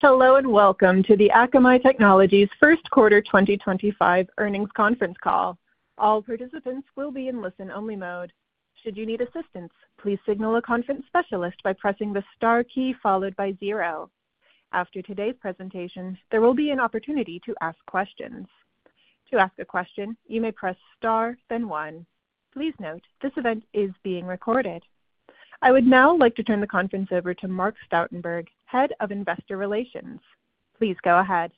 Hello and welcome to the Akamai Technologies First Quarter 2025 earnings conference call. All participants will be in listen-only mode. Should you need assistance, please signal a conference specialist by pressing the star key followed by zero. After today's presentation, there will be an opportunity to ask questions. To ask a question, you may press star, then one. Please note this event is being recorded. I would now like to turn the conference over to Mark Stoutenberg, Head of Investor Relations. Please go ahead.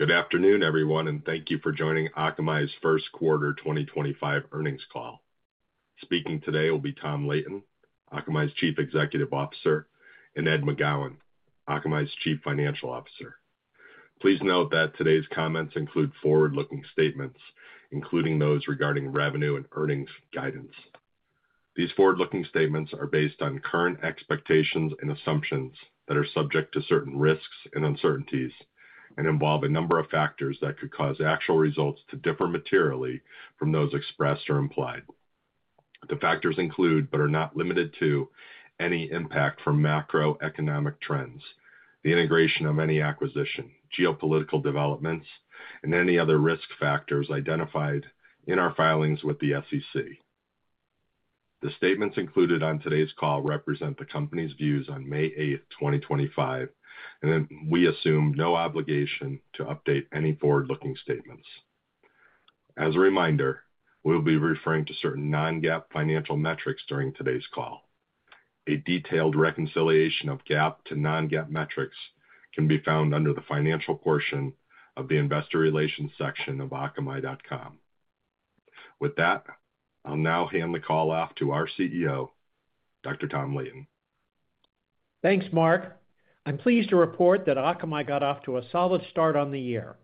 Good afternoon, everyone, and thank you for joining Akamai's First Quarter 2025 earnings call. Speaking today will be Tom Leighton, Akamai's Chief Executive Officer, and Ed McGowan, Akamai's Chief Financial Officer. Please note that today's comments include forward-looking statements, including those regarding revenue and earnings guidance. These forward-looking statements are based on current expectations and assumptions that are subject to certain risks and uncertainties and involve a number of factors that could cause actual results to differ materially from those expressed or implied. The factors include, but are not limited to, any impact from macroeconomic trends, the integration of any acquisition, geopolitical developments, and any other risk factors identified in our filings with the SEC. The statements included on today's call represent the company's views on May 8, 2025, and we assume no obligation to update any forward-looking statements. As a reminder, we will be referring to certain non-GAAP financial metrics during today's call. A detailed reconciliation of GAAP to non-GAAP metrics can be found under the financial portion of the investor relations section of Akamai.com. With that, I'll now hand the call off to our CEO, Dr. Tom Leighton. Thanks, Mark. I'm pleased to report that Akamai got off to a solid start on the year.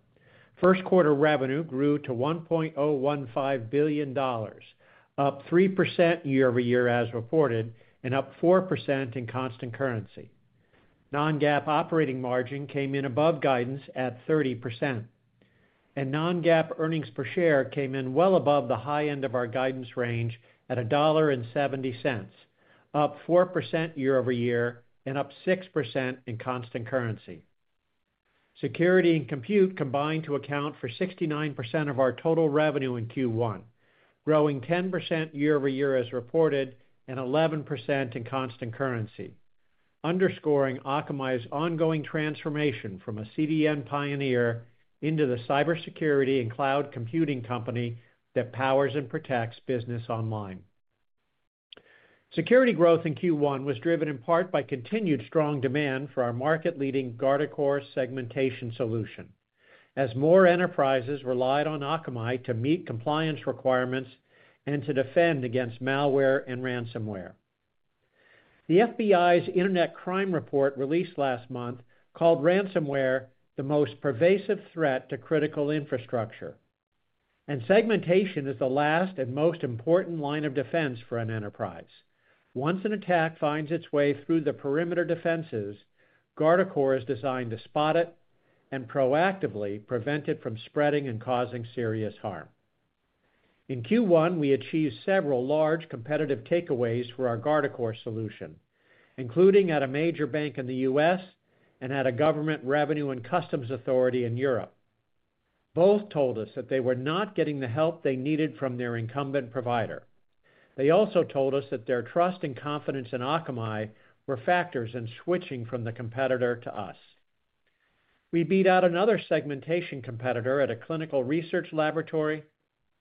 First quarter revenue grew to $1.015 billion, up 3% year over year as reported, and up 4% in constant currency. Non-GAAP operating margin came in above guidance at 30%, and non-GAAP earnings per share came in well above the high end of our guidance range at $1.70, up 4% year over year, and up 6% in constant currency. Security and compute combined to account for 69% of our total revenue in Q1, growing 10% year over year as reported, and 11% in constant currency, underscoring Akamai's ongoing transformation from a CDN pioneer into the cybersecurity and cloud computing company that powers and protects business online. Security growth in Q1 was driven in part by continued strong demand for our market-leading Guardicore segmentation solution, as more enterprises relied on Akamai to meet compliance requirements and to defend against malware and ransomware. The FBI's Internet Crime Report released last month called ransomware the most pervasive threat to critical infrastructure, and segmentation is the last and most important line of defense for an enterprise. Once an attack finds its way through the perimeter defenses, Guardicore is designed to spot it and proactively prevent it from spreading and causing serious harm. In Q1, we achieved several large competitive takeaways for our Guardicore solution, including at a major bank in the US and at a government revenue and customs authority in Europe. Both told us that they were not getting the help they needed from their incumbent provider. They also told us that their trust and confidence in Akamai were factors in switching from the competitor to us. We beat out another segmentation competitor at a clinical research laboratory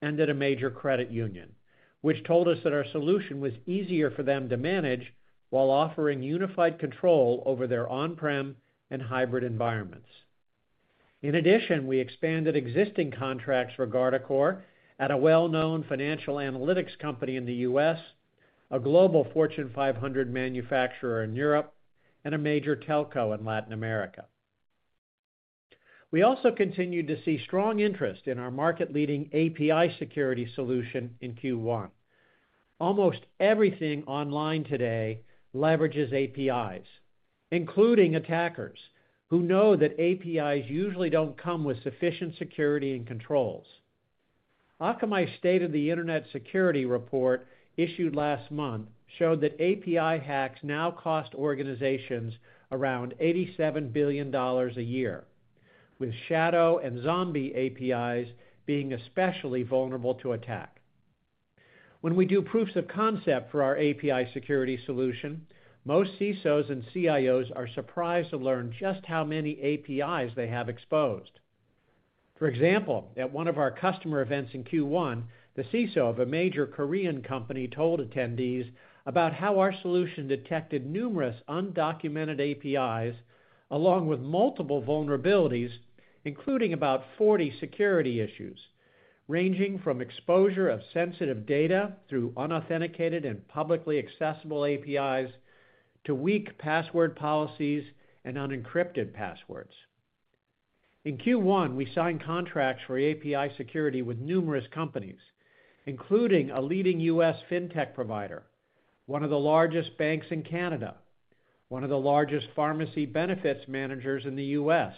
and at a major credit union, which told us that our solution was easier for them to manage while offering unified control over their on-prem and hybrid environments. In addition, we expanded existing contracts for Guardicore at a well-known financial analytics company in the U.S., a global Fortune 500 manufacturer in Europe, and a major telco in Latin America. We also continued to see strong interest in our market-leading API security solution in Q1. Almost everything online today leverages APIs, including attackers who know that APIs usually don't come with sufficient security and controls. Akamai's State of the Internet Security Report issued last month showed that API hacks now cost organizations around $87 billion a year, with shadow and zombie APIs being especially vulnerable to attack. When we do proofs of concept for our API security solution, most CISOs and CIOs are surprised to learn just how many APIs they have exposed. For example, at one of our customer events in Q1, the CISO of a major Korean company told attendees about how our solution detected numerous undocumented APIs along with multiple vulnerabilities, including about 40 security issues ranging from exposure of sensitive data through unauthenticated and publicly accessible APIs to weak password policies and unencrypted passwords. In Q1, we signed contracts for API security with numerous companies, including a leading U.S. fintech provider, one of the largest banks in Canada, one of the largest pharmacy benefits managers in the U.S.,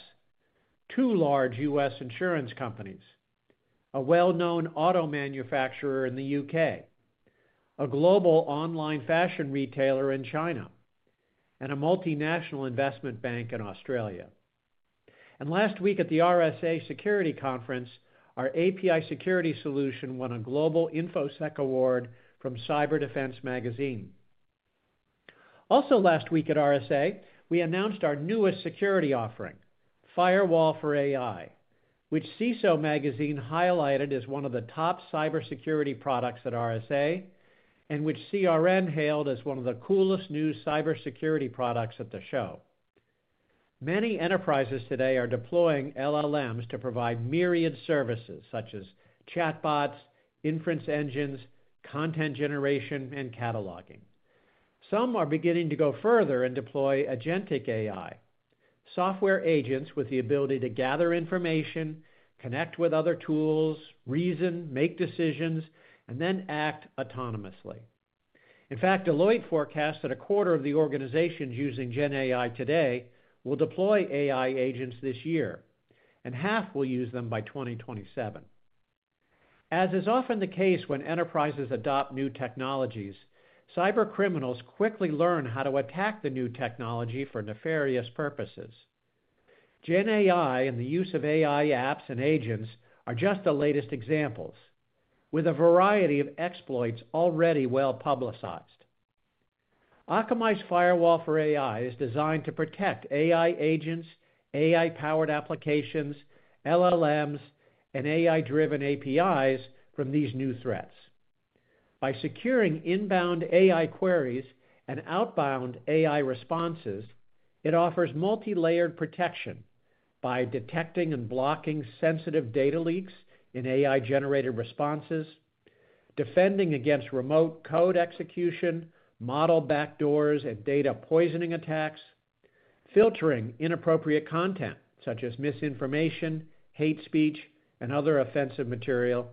two large U.S. insurance companies, a well-known auto manufacturer in the U.K., a global online fashion retailer in China, and a multinational investment bank in Australia, and last week at the RSA Security Conference, our API security solution won a global InfoSec Award from Cyber Defense Magazine, also last week at RSA, we announced our newest security offering, Firewall for AI, which CISO Magazine highlighted as one of the top cybersecurity products at RSA and which CRN hailed as one of the coolest new cybersecurity products at the show. Many enterprises today are deploying LLMs to provide myriad services such as chatbots, inference engines, content generation, and cataloging. Some are beginning to go further and deploy agentic AI, software agents with the ability to gather information, connect with other tools, reason, make decisions, and then act autonomously. In fact, Deloitte forecasts that a quarter of the organizations using GenAI today will deploy AI agents this year, and half will use them by 2027. As is often the case when enterprises adopt new technologies, cybercriminals quickly learn how to attack the new technology for nefarious purposes. GenAI and the use of AI apps and agents are just the latest examples, with a variety of exploits already well-publicized. Akamai's Firewall for AI is designed to protect AI agents, AI-powered applications, LLMs, and AI-driven APIs from these new threats. By securing inbound AI queries and outbound AI responses, it offers multi-layered protection by detecting and blocking sensitive data leaks in AI-generated responses, defending against remote code execution, model backdoors, and data poisoning attacks, filtering inappropriate content such as misinformation, hate speech, and other offensive material,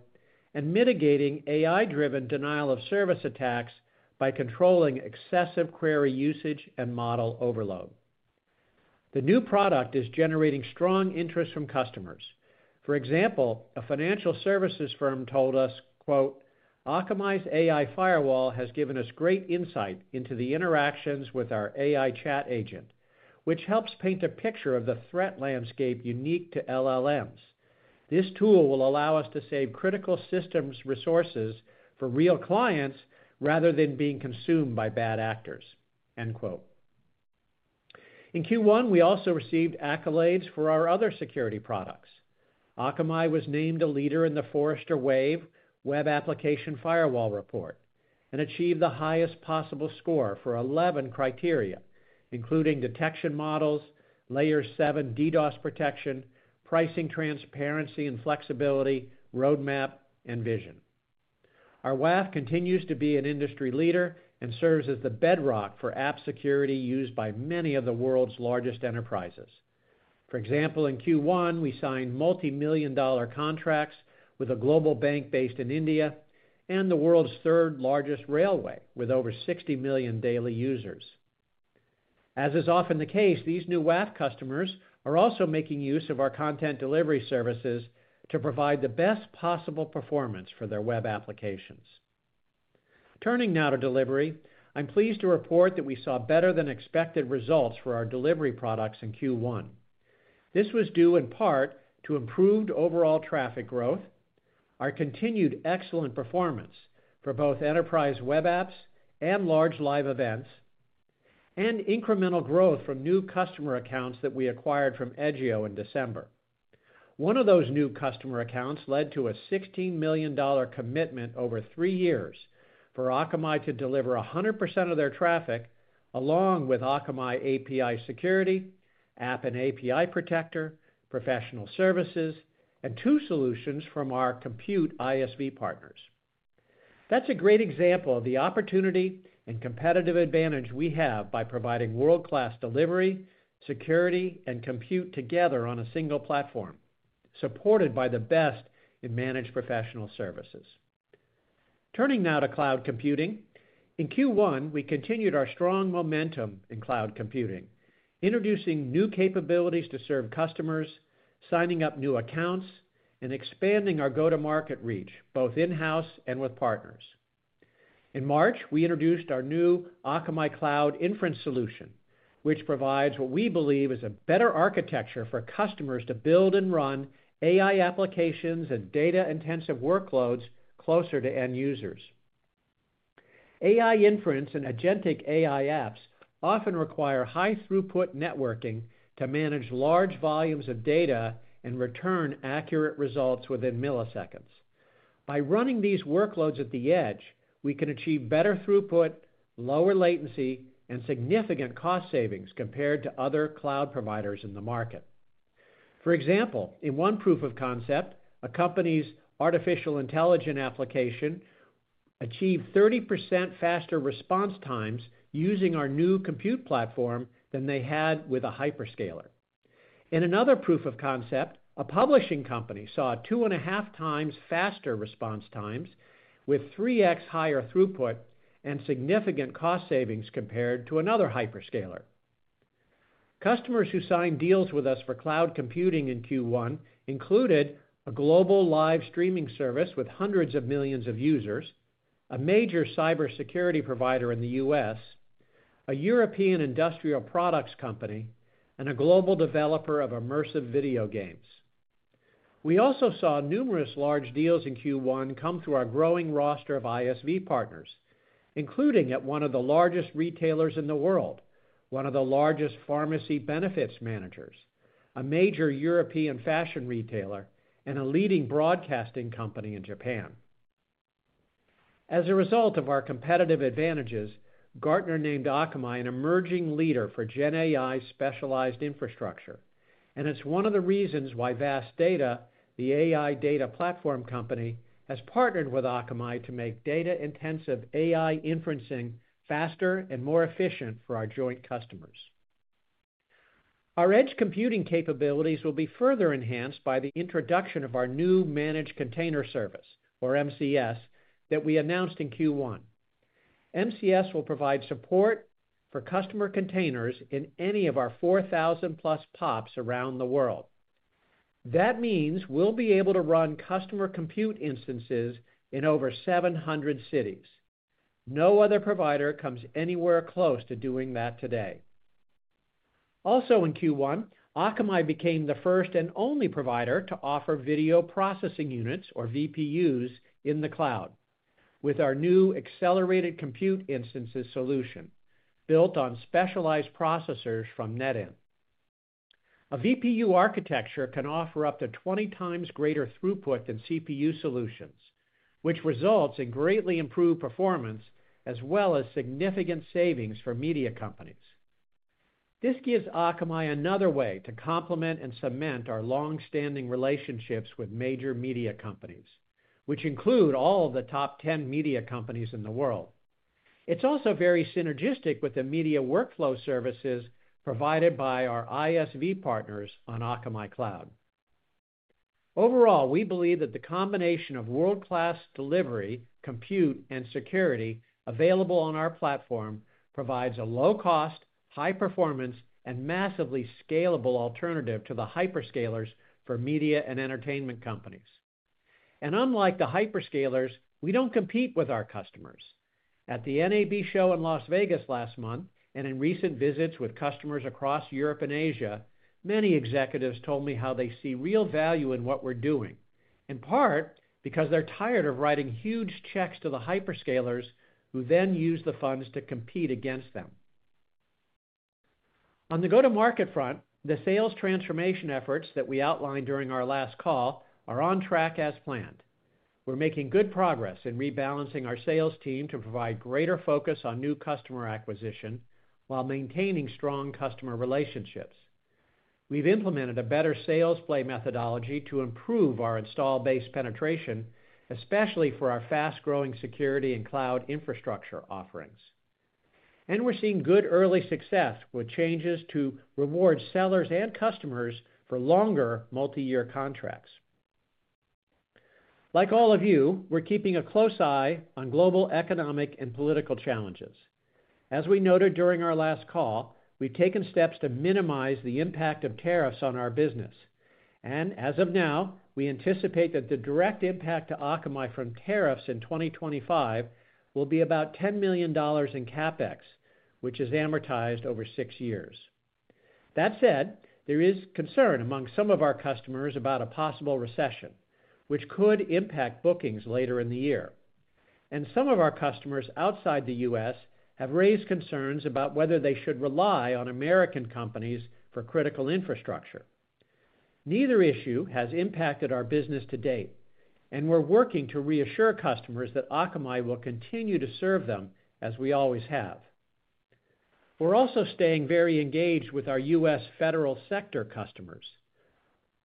and mitigating AI-driven denial of service attacks by controlling excessive query usage and model overload. The new product is generating strong interest from customers. For example, a financial services firm told us, "Akamai's AI Firewall has given us great insight into the interactions with our AI chat agent, which helps paint a picture of the threat landscape unique to LLMs. This tool will allow us to save critical systems resources for real clients rather than being consumed by bad actors." In Q1, we also received accolades for our other security products. Akamai was named a leader in the Forrester Wave Web Application Firewall Report and achieved the highest possible score for 11 criteria, including detection models, Layer 7 DDoS protection, pricing transparency and flexibility, roadmap, and vision. Our WAF continues to be an industry leader and serves as the bedrock for app security used by many of the world's largest enterprises. For example, in Q1, we signed multi-million-dollar contracts with a global bank based in India and the world's third largest railway with over 60 million daily users. As is often the case, these new WAF customers are also making use of our content delivery services to provide the best possible performance for their web applications. Turning now to delivery, I'm pleased to report that we saw better-than-expected results for our delivery products in Q1. This was due in part to improved overall traffic growth, our continued excellent performance for both enterprise web apps and large live events, and incremental growth from new customer accounts that we acquired from Edgio in December. One of those new customer accounts led to a $16 million commitment over three years for Akamai to deliver 100% of their traffic, along with Akamai API security, App & API Protector, professional services, and two solutions from our compute ISV partners. That's a great example of the opportunity and competitive advantage we have by providing world-class delivery, security, and compute together on a single platform, supported by the best in managed professional services. Turning now to cloud computing, in Q1, we continued our strong momentum in cloud computing, introducing new capabilities to serve customers, signing up new accounts, and expanding our go-to-market reach, both in-house and with partners. In March, we introduced our new Akamai Cloud Inference solution, which provides what we believe is a better architecture for customers to build and run AI applications and data-intensive workloads closer to end users. AI inference and agentic AI apps often require high-throughput networking to manage large volumes of data and return accurate results within milliseconds. By running these workloads at the edge, we can achieve better throughput, lower latency, and significant cost savings compared to other cloud providers in the market. For example, in one proof of concept, a company's artificial intelligence application achieved 30% faster response times using our new compute platform than they had with a hyperscaler. In another proof of concept, a publishing company saw two and a half times faster response times with 3x higher throughput and significant cost savings compared to another hyperscaler. Customers who signed deals with us for cloud computing in Q1 included a global live streaming service with hundreds of millions of users, a major cybersecurity provider in the U.S., a European industrial products company, and a global developer of immersive video games. We also saw numerous large deals in Q1 come through our growing roster of ISV partners, including at one of the largest retailers in the world, one of the largest pharmacy benefits managers, a major European fashion retailer, and a leading broadcasting company in Japan. As a result of our competitive advantages, Gartner named Akamai an emerging leader for GenAI specialized infrastructure, and it's one of the reasons why VAST Data, the AI data platform company, has partnered with Akamai to make data-intensive AI inferencing faster and more efficient for our joint customers. Our edge computing capabilities will be further enhanced by the introduction of our new managed container service, or MCS, that we announced in Q1. MCS will provide support for customer containers in any of our 4,000-plus PoPs around the world. That means we'll be able to run customer compute instances in over 700 cities. No other provider comes anywhere close to doing that today. Also in Q1, Akamai became the first and only provider to offer video processing units, or VPUs, in the cloud with our new accelerated compute instances solution built on specialized processors from NETINT. A VPU architecture can offer up to 20 times greater throughput than CPU solutions, which results in greatly improved performance as well as significant savings for media companies. This gives Akamai another way to complement and cement our long-standing relationships with major media companies, which include all of the top 10 media companies in the world. It's also very synergistic with the media workflow services provided by our ISV partners on Akamai Cloud. Overall, we believe that the combination of world-class delivery, compute, and security available on our platform provides a low-cost, high-performance, and massively scalable alternative to the hyperscalers for media and entertainment companies. And unlike the hyperscalers, we don't compete with our customers. At the NAB Show in Las Vegas last month and in recent visits with customers across Europe and Asia, many executives told me how they see real value in what we're doing, in part because they're tired of writing huge checks to the hyperscalers who then use the funds to compete against them. On the go-to-market front, the sales transformation efforts that we outlined during our last call are on track as planned. We're making good progress in rebalancing our sales team to provide greater focus on new customer acquisition while maintaining strong customer relationships. We've implemented a better sales play methodology to improve our install-based penetration, especially for our fast-growing security and cloud infrastructure offerings, and we're seeing good early success with changes to reward sellers and customers for longer multi-year contracts. Like all of you, we're keeping a close eye on global economic and political challenges. As we noted during our last call, we've taken steps to minimize the impact of tariffs on our business, and as of now, we anticipate that the direct impact to Akamai from tariffs in 2025 will be about $10 million in CapEx, which is amortized over six years. That said, there is concern among some of our customers about a possible recession, which could impact bookings later in the year, and some of our customers outside the U.S. have raised concerns about whether they should rely on American companies for critical infrastructure. Neither issue has impacted our business to date, and we're working to reassure customers that Akamai will continue to serve them as we always have. We're also staying very engaged with our U.S. federal sector customers.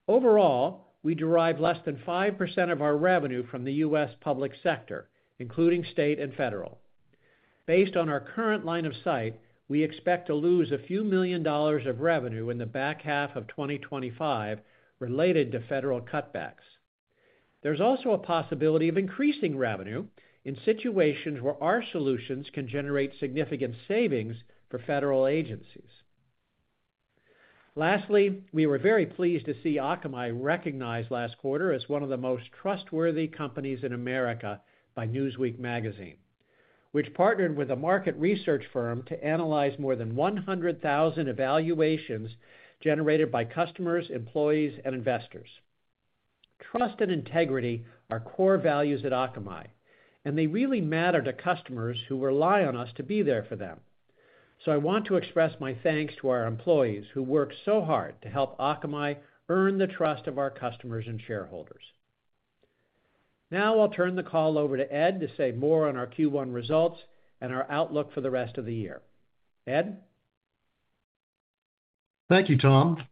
Overall, we derive less than 5% of our revenue from the U.S. public sector, including state and federal. Based on our current line of sight, we expect to lose a few million dollars of revenue in the back half of 2025 related to federal cutbacks. There's also a possibility of increasing revenue in situations where our solutions can generate significant savings for federal agencies. Lastly, we were very pleased to see Akamai recognized last quarter as one of the most trustworthy companies in America by Newsweek, which partnered with a market research firm to analyze more than 100,000 evaluations generated by customers, employees, and investors. Trust and integrity are core values at Akamai, and they really matter to customers who rely on us to be there for them. So I want to express my thanks to our employees who work so hard to help Akamai earn the trust of our customers and shareholders. Now I'll turn the call over to Ed to say more on our Q1 results and our outlook for the rest of the year. Ed? Thank you, Tom.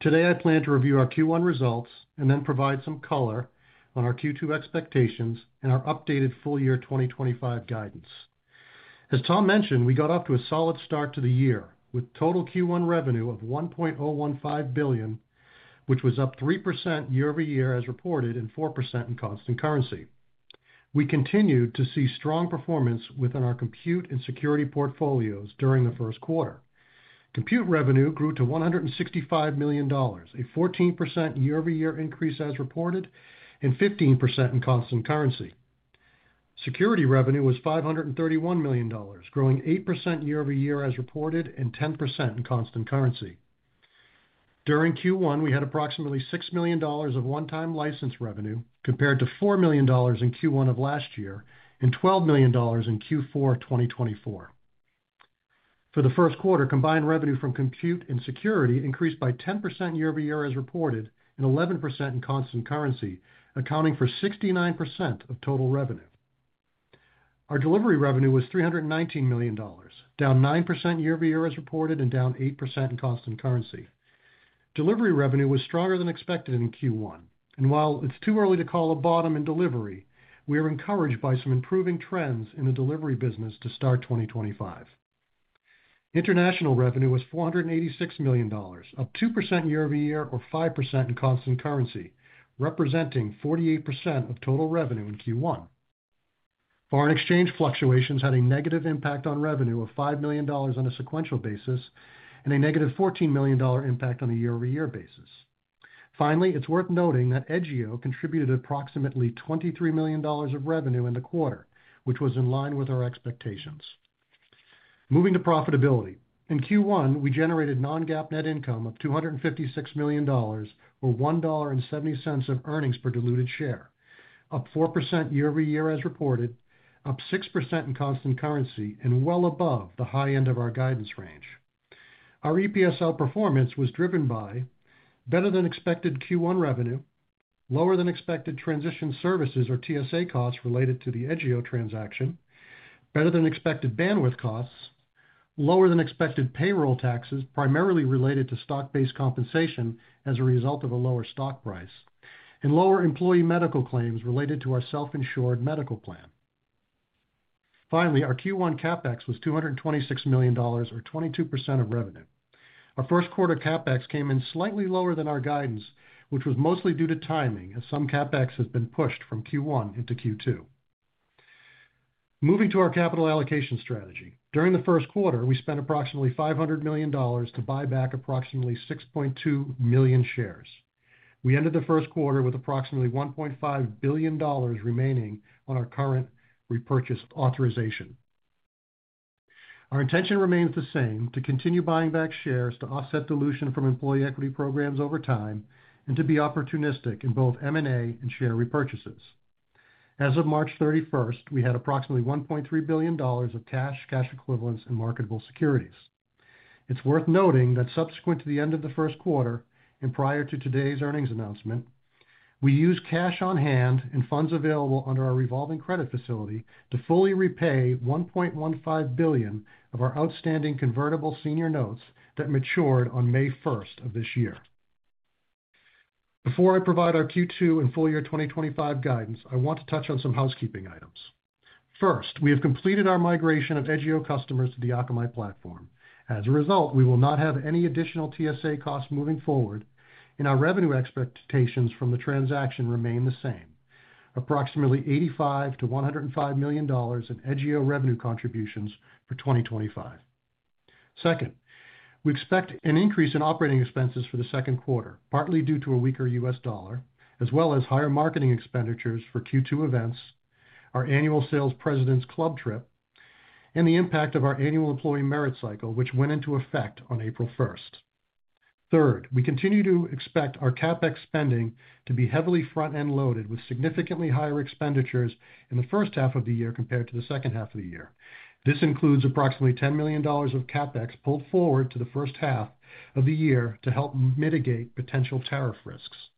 Today, I plan to review our Q1 results and then provide some color on our Q2 expectations and our updated full year 2025 guidance. As Tom mentioned, we got off to a solid start to the year with total Q1 revenue of $1.015 billion, which was up 3% year over year as reported and 4% in constant currency. We continued to see strong performance within our compute and security portfolios during the first quarter. Compute revenue grew to $165 million, a 14% year over year increase as reported, and 15% in constant currency. Security revenue was $531 million, growing 8% year over year as reported and 10% in constant currency. During Q1, we had approximately $6 million of one-time license revenue compared to $4 million in Q1 of last year and $12 million in Q4 2024. For the first quarter, combined revenue from compute and security increased by 10% year over year as reported and 11% in constant currency, accounting for 69% of total revenue. Our delivery revenue was $319 million, down 9% year over year as reported and down 8% in constant currency. Delivery revenue was stronger than expected in Q1, and while it's too early to call a bottom in delivery, we are encouraged by some improving trends in the delivery business to start 2025. International revenue was $486 million, up 2% year over year or 5% in constant currency, representing 48% of total revenue in Q1. Foreign exchange fluctuations had a negative impact on revenue of $5 million on a sequential basis and a negative $14 million impact on a year over year basis. Finally, it's worth noting that Edgio contributed approximately $23 million of revenue in the quarter, which was in line with our expectations. Moving to profitability. In Q1, we generated non-GAAP net income of $256 million or $1.70 of earnings per diluted share, up 4% year over year as reported, up 6% in constant currency, and well above the high end of our guidance range. Our EPS performance was driven by better than expected Q1 revenue, lower than expected transition services or TSA costs related to the Edgio transaction, better than expected bandwidth costs, lower than expected payroll taxes primarily related to stock-based compensation as a result of a lower stock price, and lower employee medical claims related to our self-insured medical plan. Finally, our Q1 CapEx was $226 million or 22% of revenue. Our first quarter CapEx came in slightly lower than our guidance, which was mostly due to timing as some CapEx has been pushed from Q1 into Q2. Moving to our capital allocation strategy. During the first quarter, we spent approximately $500 million to buy back approximately 6.2 million shares. We ended the first quarter with approximately $1.5 billion remaining on our current repurchase authorization. Our intention remains the same: to continue buying back shares to offset dilution from employee equity programs over time and to be opportunistic in both M&A and share repurchases. As of March 31st, we had approximately $1.3 billion of cash, cash equivalents, and marketable securities. It's worth noting that subsequent to the end of the first quarter and prior to today's earnings announcement, we used cash on hand and funds available under our revolving credit facility to fully repay $1.15 billion of our outstanding convertible senior notes that matured on May 1st of this year. Before I provide our Q2 and full year 2025 guidance, I want to touch on some housekeeping items. First, we have completed our migration of Edgio customers to the Akamai platform. As a result, we will not have any additional TSA costs moving forward, and our revenue expectations from the transaction remain the same: approximately $85-$105 million in Edgio revenue contributions for 2025. Second, we expect an increase in operating expenses for the second quarter, partly due to a weaker U.S. dollar, as well as higher marketing expenditures for Q2 events, our annual sales President's Club trip, and the impact of our annual employee merit cycle, which went into effect on April 1st. Third, we continue to expect our CapEx spending to be heavily front-end loaded with significantly higher expenditures in the first half of the year compared to the second half of the year. This includes approximately $10 million of CapEx pulled forward to the first half of the year to help mitigate potential tariff risks.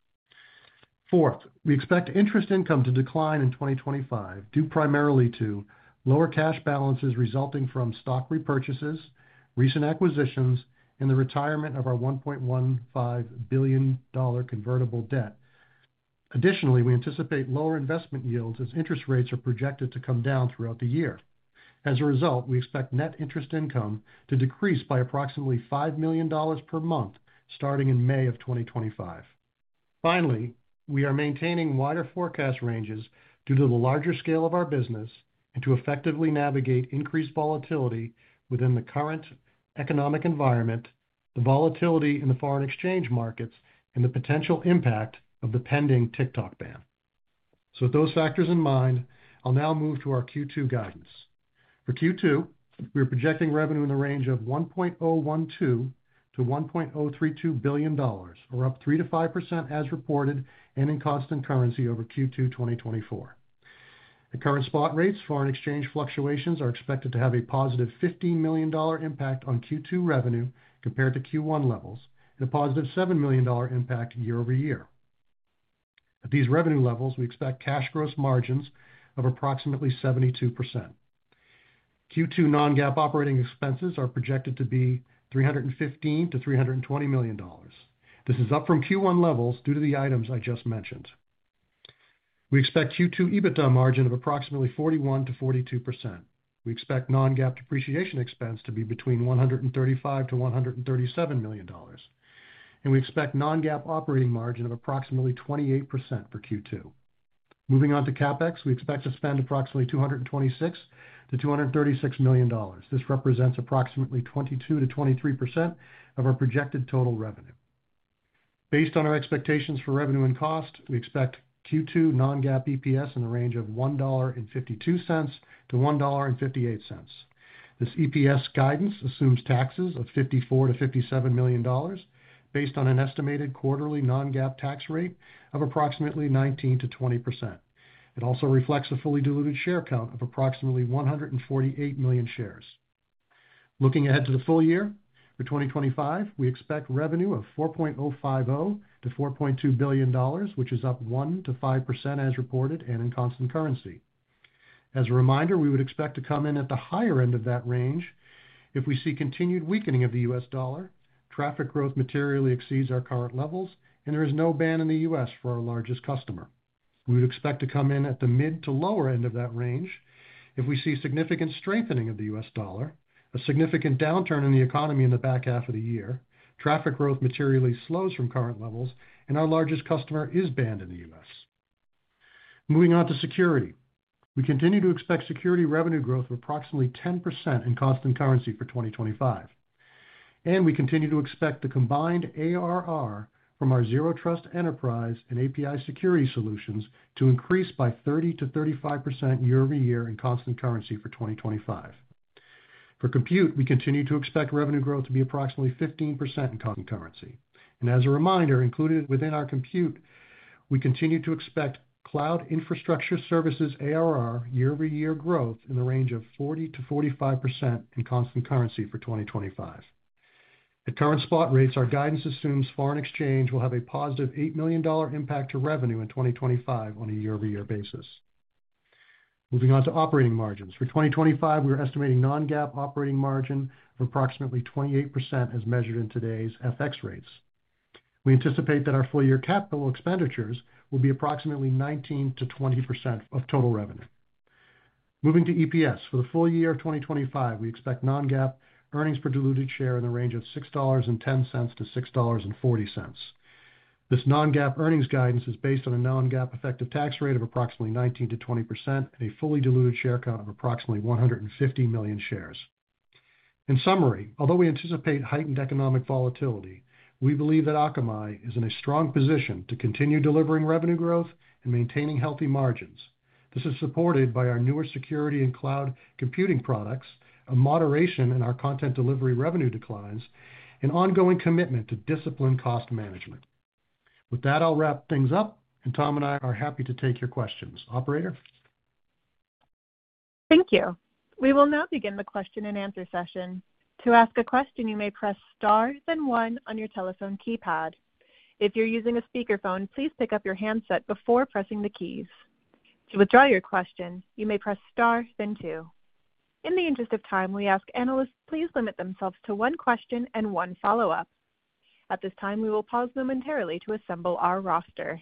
Fourth, we expect interest income to decline in 2025 due primarily to lower cash balances resulting from stock repurchases, recent acquisitions, and the retirement of our $1.15 billion convertible debt. Additionally, we anticipate lower investment yields as interest rates are projected to come down throughout the year. As a result, we expect net interest income to decrease by approximately $5 million per month starting in May of 2025. Finally, we are maintaining wider forecast ranges due to the larger scale of our business and to effectively navigate increased volatility within the current economic environment, the volatility in the foreign exchange markets, and the potential impact of the pending TikTok ban. So with those factors in mind, I'll now move to our Q2 guidance. For Q2, we are projecting revenue in the range of $1.012-$1.032 billion, or up 3%-5% as reported and in constant currency over Q2 2024. At current spot rates, foreign exchange fluctuations are expected to have a positive $15 million impact on Q2 revenue compared to Q1 levels and a positive $7 million impact year over year. At these revenue levels, we expect cash gross margins of approximately 72%. Q2 non-GAAP operating expenses are projected to be $315-$320 million. This is up from Q1 levels due to the items I just mentioned. We expect Q2 EBITDA margin of approximately 41%-42%. We expect non-GAAP depreciation expense to be between $135-$137 million, and we expect non-GAAP operating margin of approximately 28% for Q2. Moving on to CapEx, we expect to spend approximately $226-$236 million. This represents approximately 22%-23% of our projected total revenue. Based on our expectations for revenue and cost, we expect Q2 non-GAAP EPS in the range of $1.52-$1.58. This EPS guidance assumes taxes of $54-$57 million based on an estimated quarterly non-GAAP tax rate of approximately 19%-20%. It also reflects a fully diluted share count of approximately 148 million shares. Looking ahead to the full year for 2025, we expect revenue of $4.050-$4.2 billion, which is up 1%-5% as reported and in constant currency. As a reminder, we would expect to come in at the higher end of that range if we see continued weakening of the U.S. dollar, traffic growth materially exceeds our current levels, and there is no ban in the U.S. for our largest customer. We would expect to come in at the mid to lower end of that range if we see significant strengthening of the U.S. dollar, a significant downturn in the economy in the back half of the year, traffic growth materially slows from current levels, and our largest customer is banned in the U.S. Moving on to security, we continue to expect security revenue growth of approximately 10% in constant currency for 2025, and we continue to expect the combined ARR from our Zero Trust Enterprise and API security solutions to increase by 30%-35% year over year in constant currency for 2025. For compute, we continue to expect revenue growth to be approximately 15% in constant currency. And as a reminder, included within our compute, we continue to expect cloud infrastructure services ARR year over year growth in the range of 40%-45% in constant currency for 2025. At current spot rates, our guidance assumes foreign exchange will have a positive $8 million impact to revenue in 2025 on a year over year basis. Moving on to operating margins. For 2025, we are estimating non-GAAP operating margin of approximately 28% as measured in today's FX rates. We anticipate that our full year capital expenditures will be approximately 19%-20% of total revenue. Moving to EPS, for the full year of 2025, we expect non-GAAP earnings per diluted share in the range of $6.10-$6.40. This non-GAAP earnings guidance is based on a non-GAAP effective tax rate of approximately 19%-20% and a fully diluted share count of approximately 150 million shares. In summary, although we anticipate heightened economic volatility, we believe that Akamai is in a strong position to continue delivering revenue growth and maintaining healthy margins. This is supported by our newer security and cloud computing products, a moderation in our content delivery revenue declines, and ongoing commitment to disciplined cost management. With that, I'll wrap things up, and Tom and I are happy to take your questions. Operator? Thank you. We will now begin the question and answer session. To ask a question, you may press star, then one on your telephone keypad. If you're using a speakerphone, please pick up your handset before pressing the keys. To withdraw your question, you may press star, then two. In the interest of time, we ask analysts, please limit themselves to one question and one follow-up. At this time, we will pause momentarily to assemble our roster.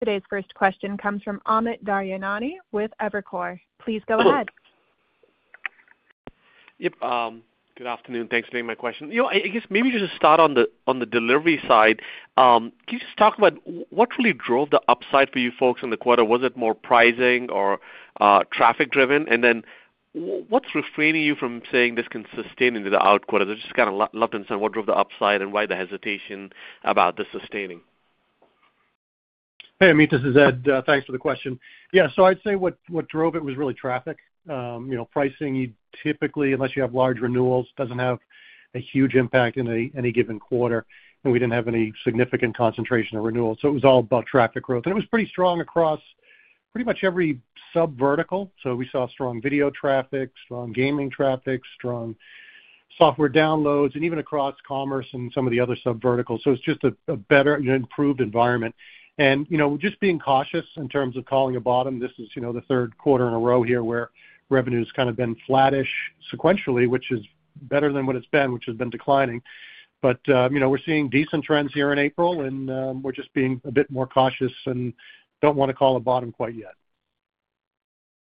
Today's first question comes from Amit Daryanani with Evercore. Please go ahead. Yep. Good afternoon. Thanks for taking my question. You know, I guess maybe just to start on the delivery side, can you just talk about what really drove the upside for you folks in the quarter? Was it more pricing or traffic-driven? And then what's restraining you from saying this can sustain into the outlook? Just, I'd love to understand what drove the upside and why the hesitation about the sustainability. Hey, Amit, this is Ed. Thanks for the question. Yeah, so I'd say what drove it was really traffic. Pricing, you typically, unless you have large renewals, doesn't have a huge impact in any given quarter, and we didn't have any significant concentration of renewals. So it was all about traffic growth, and it was pretty strong across pretty much every subvertical. So we saw strong video traffic, strong gaming traffic, strong software downloads, and even across commerce and some of the other subverticals. So it's just a better improved environment. And just being cautious in terms of calling a bottom, this is the third quarter in a row here where revenue has kind of been flattish sequentially, which is better than what it's been, which has been declining. But we're seeing decent trends here in April, and we're just being a bit more cautious and don't want to call a bottom quite yet.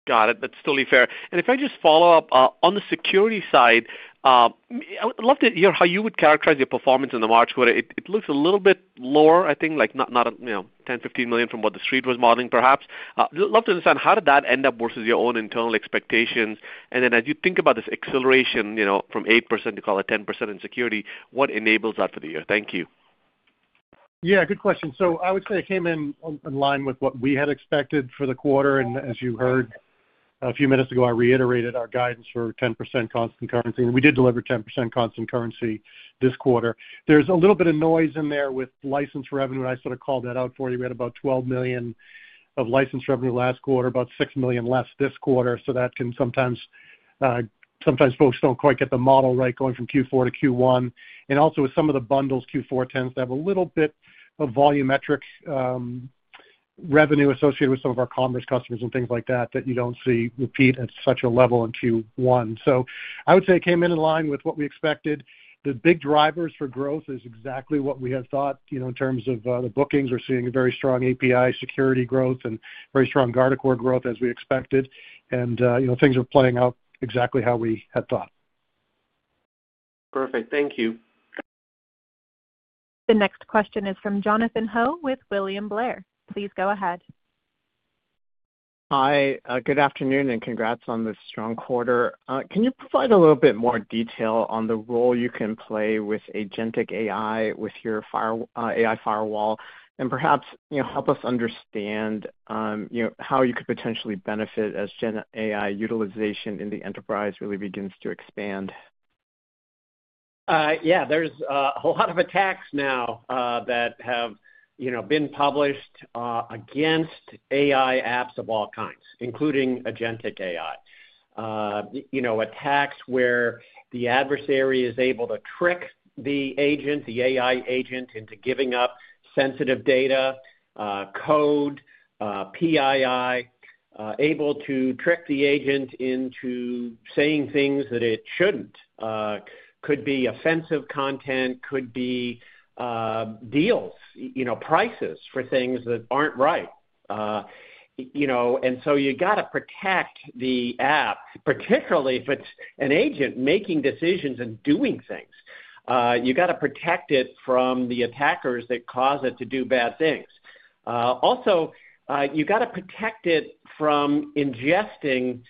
Got it. That's totally fair. And if I just follow up on the security side, I'd love to hear how you would characterize your performance in the March quarter. It looks a little bit lower, I think, like not $10-15 million from what the street was modeling, perhaps. I'd love to understand how did that end up versus your own internal expectations? And then as you think about this acceleration from 8% to call it 10% in security, what enables that for the year? Thank you. Yeah, good question. So I would say it came in in line with what we had expected for the quarter. And as you heard a few minutes ago, I reiterated our guidance for 10% constant currency, and we did deliver 10% constant currency this quarter. There's a little bit of noise in there with license revenue, and I sort of called that out for you. We had about $12 million of license revenue last quarter, about $6 million less this quarter. So that can sometimes folks don't quite get the model right going from Q4 to Q1. And also with some of the bundles, Q4 tends to have a little bit of volumetric revenue associated with some of our commerce customers and things like that that you don't see repeat at such a level in Q1. So I would say it came in line with what we expected. The big drivers for growth is exactly what we had thought in terms of the bookings. We're seeing very strong API security growth and very strong Guardicore growth as we expected, and things are playing out exactly how we had thought. Perfect. Thank you. The next question is from Jonathan Ho with William Blair. Please go ahead. Hi, good afternoon, and congrats on this strong quarter. Can you provide a little bit more detail on the role you can play with Agentic AI with your AI firewall, and perhaps help us understand how you could potentially benefit as AI utilization in the enterprise really begins to expand? Yeah, there's a whole lot of attacks now that have been published against AI apps of all kinds, including Agentic AI. Attacks where the adversary is able to trick the agent, the AI agent, into giving up sensitive data, code, PII, able to trick the agent into saying things that it shouldn't. Could be offensive content, could be deals, prices for things that aren't right. And so you got to protect the app, particularly if it's an agent making decisions and doing things. You got to protect it from the attackers that cause it to do bad things. Also, you got to protect it from ingesting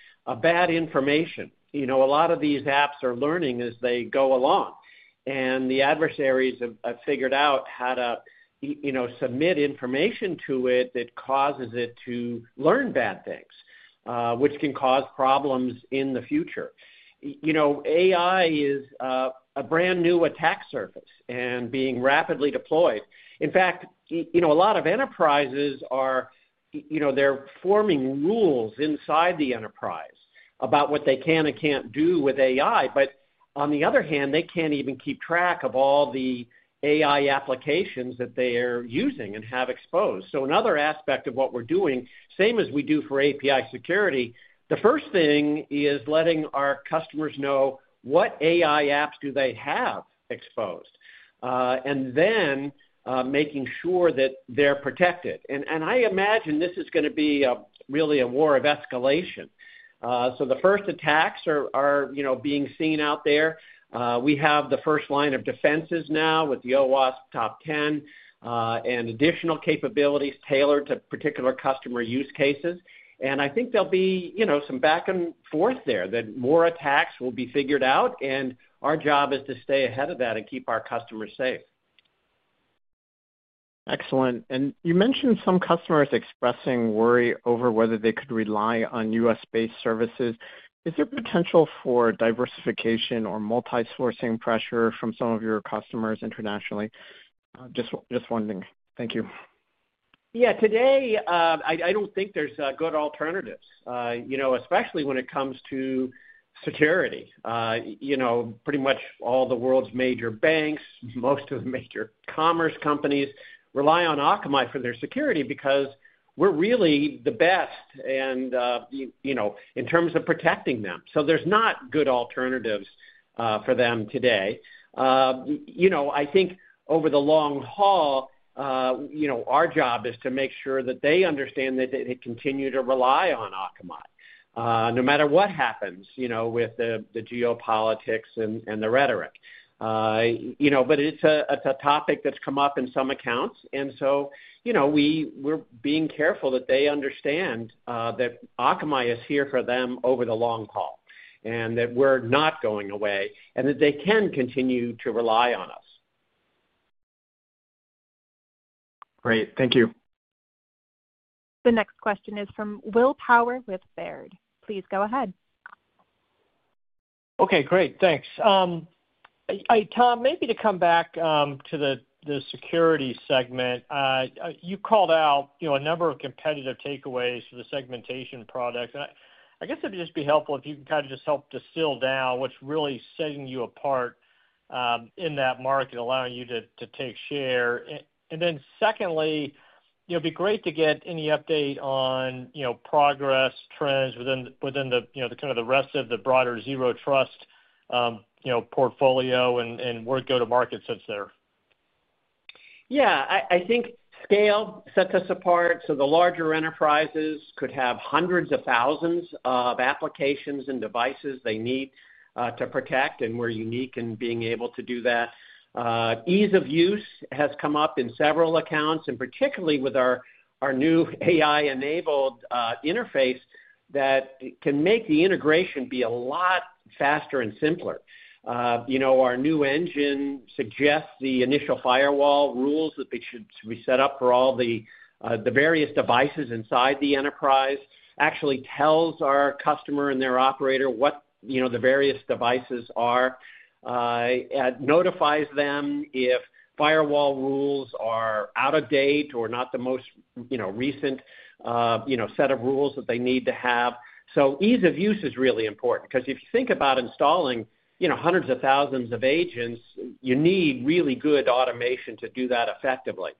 bad information. A lot of these apps are learning as they go along, and the adversaries have figured out how to submit information to it that causes it to learn bad things, which can cause problems in the future. AI is a brand new attack surface and being rapidly deployed. In fact, a lot of enterprises, they're forming rules inside the enterprise about what they can and can't do with AI, but on the other hand, they can't even keep track of all the AI applications that they are using and have exposed. So another aspect of what we're doing, same as we do for API security, the first thing is letting our customers know what AI apps do they have exposed, and then making sure that they're protected. And I imagine this is going to be really a war of escalation. So the first attacks are being seen out there. We have the first line of defenses now with the OWASP Top 10 and additional capabilities tailored to particular customer use cases. And I think there'll be some back and forth there that more attacks will be figured out, and our job is to stay ahead of that and keep our customers safe. Excellent. And you mentioned some customers expressing worry over whether they could rely on US-based services. Is there potential for diversification or multi-sourcing pressure from some of your customers internationally? Just one thing. Thank you. Yeah, today, I don't think there's good alternatives, especially when it comes to security. Pretty much all the world's major banks, most of the major commerce companies rely on Akamai for their security because we're really the best in terms of protecting them. So there's not good alternatives for them today. I think over the long haul, our job is to make sure that they understand that they continue to rely on Akamai no matter what happens with the geopolitics and the rhetoric. But it's a topic that's come up in some accounts, and so we're being careful that they understand that Akamai is here for them over the long haul and that we're not going away and that they can continue to rely on us. Great. Thank you. The next question is from Will Power with Baird. Please go ahead. Okay, great. Thanks. Tom, maybe to come back to the security segment, you called out a number of competitive takeaways for the segmentation products. I guess it would just be helpful if you can kind of just help distill down what's really setting you apart in that market, allowing you to take share. And then, secondly, it'd be great to get any update on progress, trends within the kind of the rest of the broader Zero Trust portfolio and where to go to market since there. Yeah, I think scale sets us apart. So the larger enterprises could have hundreds of thousands of applications and devices they need to protect, and we're unique in being able to do that. Ease of use has come up in several accounts, and particularly with our new AI-enabled interface that can make the integration be a lot faster and simpler. Our new engine suggests the initial firewall rules that should be set up for all the various devices inside the enterprise, actually tells our customer and their operator what the various devices are, notifies them if firewall rules are out of date or not the most recent set of rules that they need to have. Ease of use is really important because if you think about installing hundreds of thousands of agents, you need really good automation to do that effectively.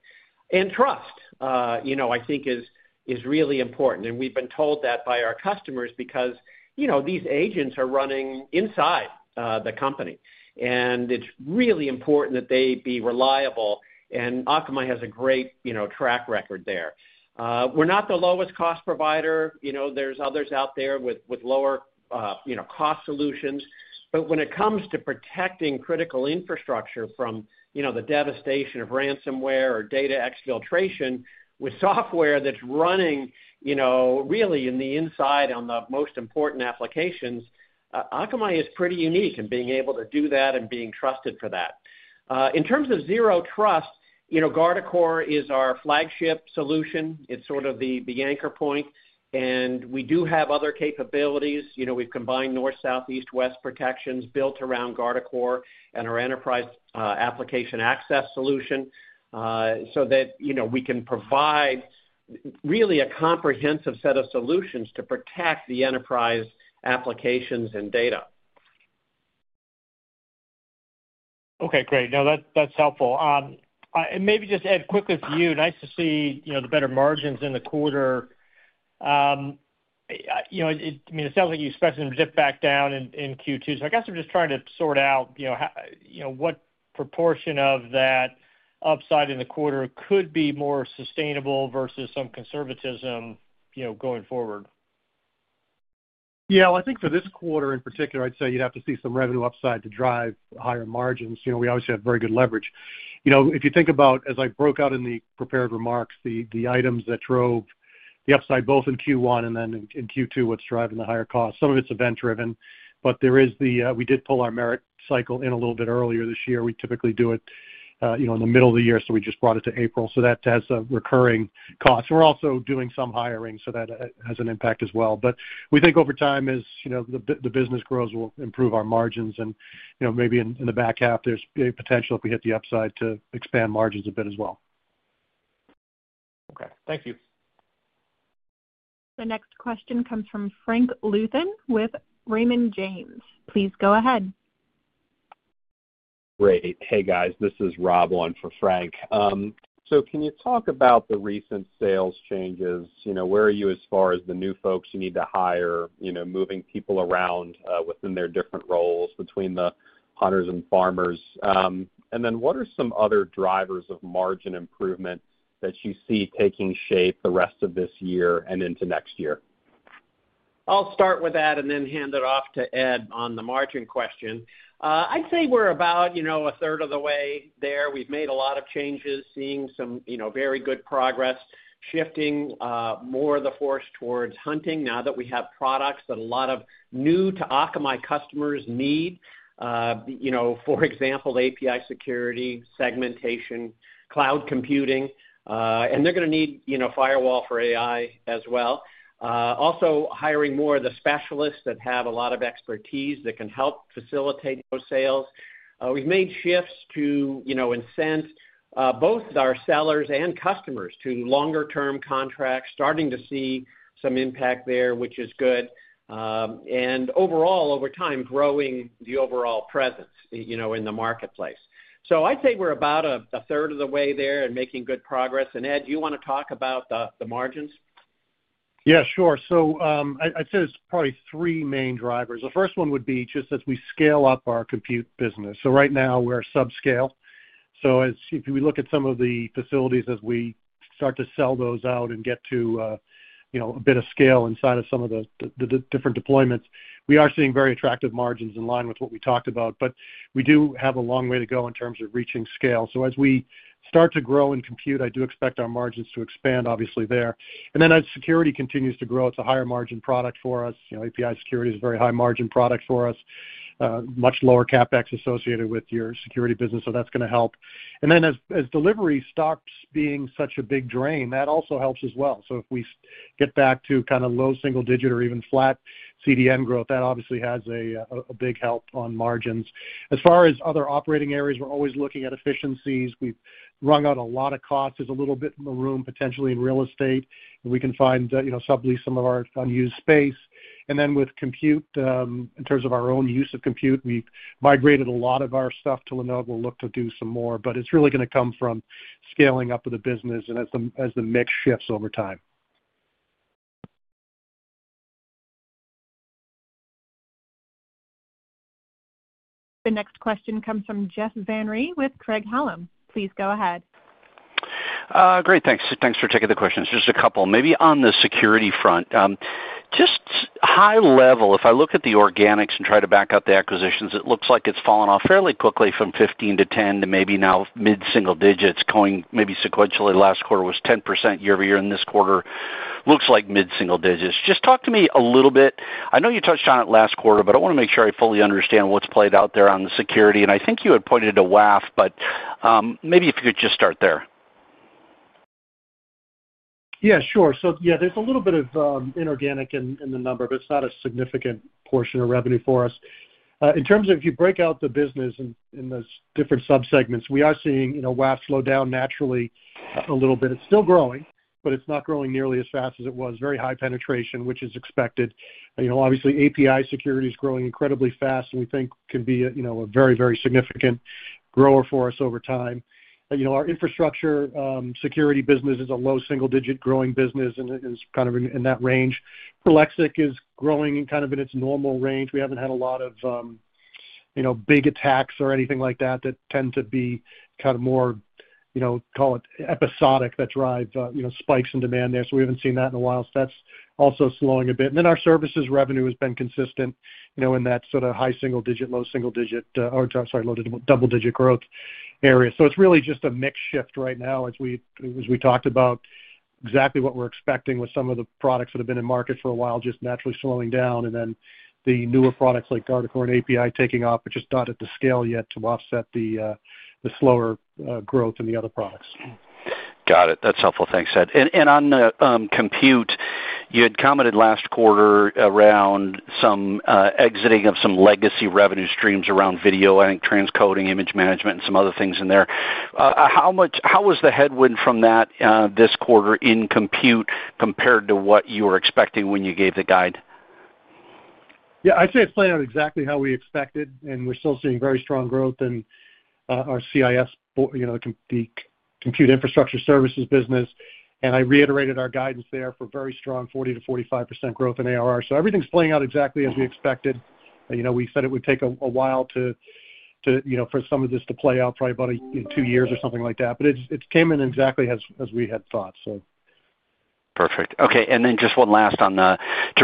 And trust, I think, is really important. And we've been told that by our customers because these agents are running inside the company, and it's really important that they be reliable, and Akamai has a great track record there. We're not the lowest cost provider. There's others out there with lower cost solutions. But when it comes to protecting critical infrastructure from the devastation of ransomware or data exfiltration with software that's running really in the inside on the most important applications, Akamai is pretty unique in being able to do that and being trusted for that. In terms of Zero Trust, Guardicore is our flagship solution. It's sort of the anchor point, and we do have other capabilities. We've combined north, south, east, west protections built around Guardicore and our Enterprise Application Access solution so that we can provide really a comprehensive set of solutions to protect the enterprise applications and data. Okay, great. No, that's helpful. And maybe just Ed, quickly for you, nice to see the better margins in the quarter. I mean, it sounds like you especially zipped back down in Q2. So I guess I'm just trying to sort out what proportion of that upside in the quarter could be more sustainable versus some conservatism going forward. Yeah, well, I think for this quarter in particular, I'd say you'd have to see some revenue upside to drive higher margins. We obviously have very good leverage. If you think about, as I broke out in the prepared remarks, the items that drove the upside both in Q1 and then in Q2, what's driving the higher cost? Some of it's event-driven, but there is, we did pull our merit cycle in a little bit earlier this year. We typically do it in the middle of the year, so we just brought it to April. So that has a recurring cost. We're also doing some hiring, so that has an impact as well. But we think over time, as the business grows, we'll improve our margins. And maybe in the back half, there's potential if we hit the upside to expand margins a bit as well. Okay. Thank you. The next question comes from Frank Louthan with Raymond James. Please go ahead. Great. Hey, guys, this is Rob on for Frank. So can you talk about the recent sales changes? Where are you as far as the new folks you need to hire, moving people around within their different roles between the hunters and farmers? And then what are some other drivers of margin improvement that you see taking shape the rest of this year and into next year? I'll start with that and then hand it off to Ed on the margin question. I'd say we're about a third of the way there. We've made a lot of changes, seeing some very good progress, shifting more of the force towards hunting now that we have products that a lot of new-to-Akamai customers need. For example, API Security, Segmentation, Cloud Computing, and they're going to need Firewall for AI as well. Also, hiring more of the specialists that have a lot of expertise that can help facilitate those sales. We've made shifts to incent both our sellers and customers to longer-term contracts, starting to see some impact there, which is good, and overall, over time, growing the overall presence in the marketplace. So I'd say we're about a third of the way there and making good progress, and Ed, do you want to talk about the margins? Yeah, sure, so I'd say there's probably three main drivers. The first one would be just as we scale up our compute business, so right now, we're subscale. So if we look at some of the facilities, as we start to sell those out and get to a bit of scale inside of some of the different deployments, we are seeing very attractive margins in line with what we talked about, but we do have a long way to go in terms of reaching scale. As we start to grow in compute, I do expect our margins to expand, obviously, there. And then as security continues to grow, it's a higher-margin product for us. API security is a very high-margin product for us, much lower CapEx associated with your security business, so that's going to help. And then as delivery stops being such a big drain, that also helps as well. So if we get back to kind of low single-digit or even flat CDN growth, that obviously has a big help on margins. As far as other operating areas, we're always looking at efficiencies. We've run out a lot of costs. There's a little bit more room potentially in real estate, and we can find sublease some of our unused space. And then with compute, in terms of our own use of compute, we've migrated a lot of our stuff to Lenovo. We'll look to do some more, but it's really going to come from scaling up of the business and as the mix shifts over time. The next question comes from Jeff Van Rhee with Craig-Hallum. Please go ahead. Great. Thanks for taking the questions. Just a couple. Maybe on the security front, just high level, if I look at the organics and try to back up the acquisitions, it looks like it's fallen off fairly quickly from 15% to 10% to maybe now mid-single digits, going maybe sequentially. Last quarter was 10% year-over-year, and this quarter looks like mid-single digits. Just talk to me a little bit. I know you touched on it last quarter, but I want to make sure I fully understand what's played out there on the security. And I think you had pointed to WAF, but maybe if you could just start there. Yeah, sure. So yeah, there's a little bit of inorganic in the number, but it's not a significant portion of revenue for us. In terms of if you break out the business in those different subsegments, we are seeing WAF slow down naturally a little bit. It's still growing, but it's not growing nearly as fast as it was. Very high penetration, which is expected. Obviously, API security is growing incredibly fast, and we think can be a very, very significant grower for us over time. Our infrastructure security business is a low single-digit growing business and is kind of in that range. Prolexic is growing kind of in its normal range. We haven't had a lot of big attacks or anything like that that tend to be kind of more, call it episodic, that drive spikes in demand there. So we haven't seen that in a while. So that's also slowing a bit. And then our services revenue has been consistent in that sort of high single-digit, low single-digit, or sorry, low double-digit growth area. So it's really just a mixed shift right now, as we talked about, exactly what we're expecting with some of the products that have been in market for a while, just naturally slowing down, and then the newer products like Guardicore and API taking off, but just not at the scale yet to offset the slower growth in the other products. Got it. That's helpful. Thanks, Ed. And on the compute, you had commented last quarter around some exiting of some legacy revenue streams around video, I think transcoding, image management, and some other things in there. How was the headwind from that this quarter in compute compared to what you were expecting when you gave the guide? Yeah, I'd say it's playing out exactly how we expected, and we're still seeing very strong growth in our CIS, the Cloud Infrastructure Services business. And I reiterated our guidance there for very strong 40%-45% growth in ARR. So everything's playing out exactly as we expected. We said it would take a while for some of this to play out, probably about two years or something like that. But it came in exactly as we had thought, so. Perfect. Okay. And then just one last one to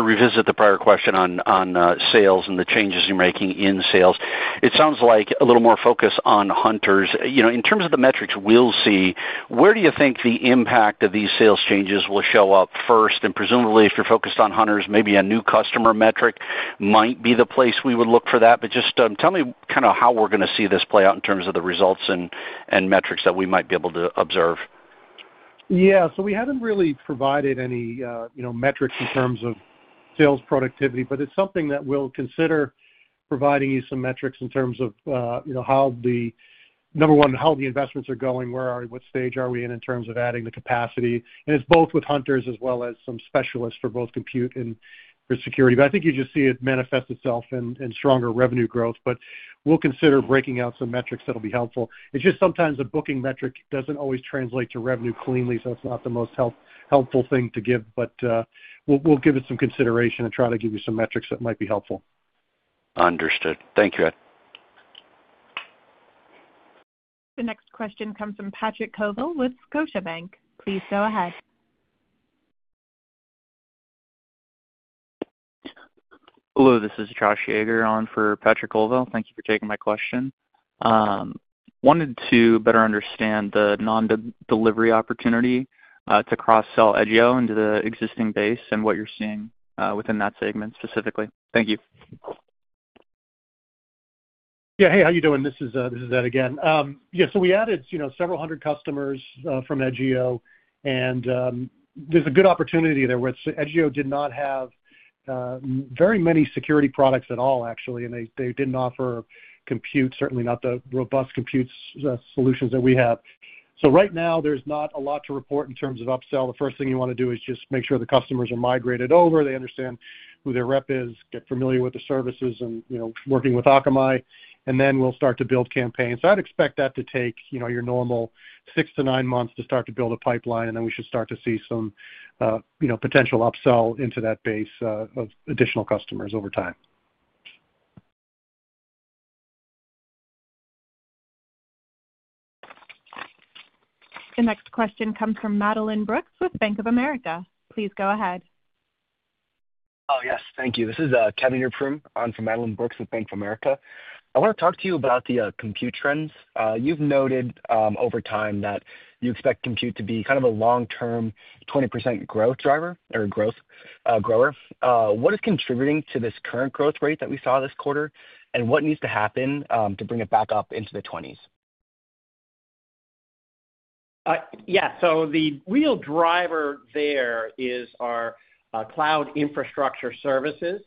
revisit the prior question on sales and the changes you're making in sales. It sounds like a little more focus on hunters. In terms of the metrics we'll see, where do you think the impact of these sales changes will show up first? Presumably, if you're focused on hunters, maybe a new customer metric might be the place we would look for that. But just tell me kind of how we're going to see this play out in terms of the results and metrics that we might be able to observe. Yeah. So we haven't really provided any metrics in terms of sales productivity, but it's something that we'll consider providing you some metrics in terms of how the number one, how the investments are going, where are we, what stage are we in terms of adding the capacity. And it's both with hunters as well as some specialists for both compute and for security. But I think you just see it manifest itself in stronger revenue growth. But we'll consider breaking out some metrics that'll be helpful. It's just sometimes a booking metric doesn't always translate to revenue cleanly, so it's not the most helpful thing to give. But we'll give it some consideration and try to give you some metrics that might be helpful. Understood. Thank you, Ed. The next question comes from Patrick Colville with Scotiabank. Please go ahead. Hello, this is Josh Yeager on for Patrick Colville. Thank you for taking my question. Wanted to better understand the non-delivery opportunity to cross-sell Edgio into the existing base and what you're seeing within that segment specifically. Thank you. Yeah. Hey, how are you doing? This is Ed again. Yeah. So we added several hundred customers from Edgio, and there's a good opportunity there where Edgio did not have very many security products at all, actually, and they didn't offer compute, certainly not the robust compute solutions that we have. So right now, there's not a lot to report in terms of upsell. The first thing you want to do is just make sure the customers are migrated over, they understand who their rep is, get familiar with the services and working with Akamai, and then we'll start to build campaigns. I'd expect that to take your normal six to nine months to start to build a pipeline, and then we should start to see some potential upsell into that base of additional customers over time. The next question comes from Madeline Brooks with Bank of America. Please go ahead. Oh, yes. Thank you. This is Kevin on for Madeline Brooks with Bank of America. I want to talk to you about the compute trends. You've noted over time that you expect compute to be kind of a long-term 20% growth driver or growth grower. What is contributing to this current growth rate that we saw this quarter, and what needs to happen to bring it back up into the 20s? Yeah. So the real driver there is our Cloud Infrastructure Services.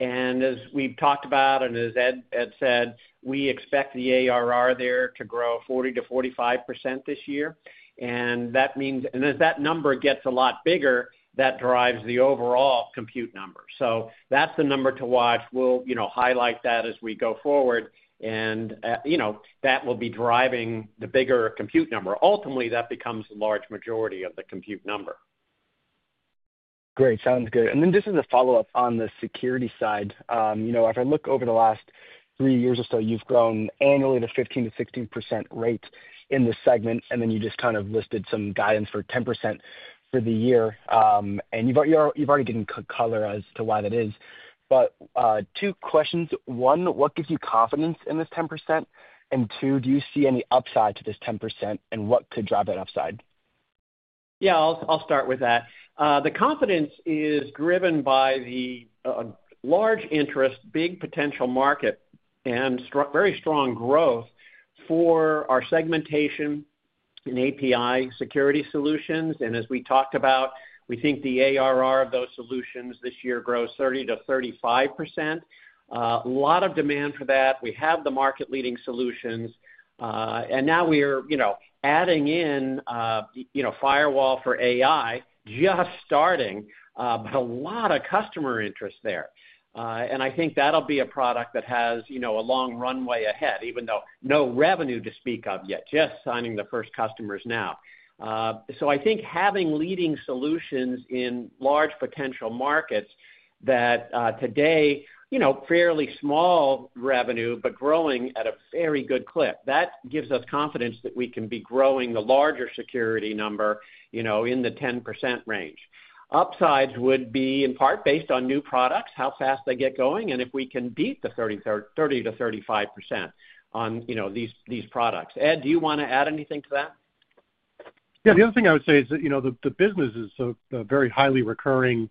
And as we've talked about and as Ed said, we expect the ARR there to grow 40%-45% this year. And as that number gets a lot bigger, that drives the overall compute number. So that's the number to watch. We'll highlight that as we go forward, and that will be driving the bigger compute number. Ultimately, that becomes the large majority of the compute number. Great. Sounds good. And then just as a follow-up on the security side, if I look over the last three years or so, you've grown annually at a 15%-16% rate in this segment, and then you just kind of listed some guidance for 10% for the year. And you've already given color as to why that is. But two questions. One, what gives you confidence in this 10%? And two, do you see any upside to this 10%, and what could drive that upside? Yeah. I'll start with that. The confidence is driven by the large interest, big potential market, and very strong growth for our segmentation and API security solutions. And as we talked about, we think the ARR of those solutions this year grows 30%-35%. A lot of demand for that. We have the market-leading solutions. And now we are adding in Firewall for AI, just starting, but a lot of customer interest there. And I think that'll be a product that has a long runway ahead, even though no revenue to speak of yet, just signing the first customers now. So I think having leading solutions in large potential markets that today, fairly small revenue, but growing at a very good clip. That gives us confidence that we can be growing the larger security number in the 10% range. Upsides would be in part based on new products, how fast they get going, and if we can beat the 30%-35% on these products. Ed, do you want to add anything to that? Yeah. The other thing I would say is that the business is a very highly recurring,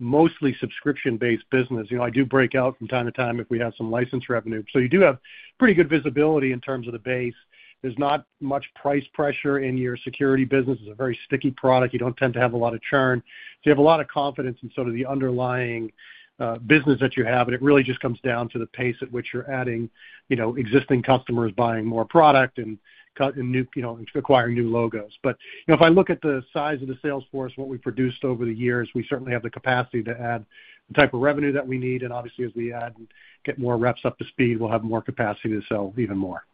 mostly subscription-based business. I do break out from time to time if we have some license revenue. So you do have pretty good visibility in terms of the base. There's not much price pressure in your security business. It's a very sticky product. You don't tend to have a lot of churn. So you have a lot of confidence in sort of the underlying business that you have, and it really just comes down to the pace at which you're adding existing customers, buying more product, and acquiring new logos. But if I look at the size of the sales force, what we produced over the years, we certainly have the capacity to add the type of revenue that we need. And obviously, as we add and get more reps up to speed, we'll have more capacity to sell even more.